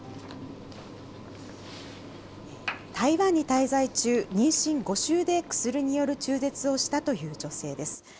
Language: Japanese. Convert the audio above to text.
台湾に滞在中、妊娠５週で薬による中絶をしたという女性です。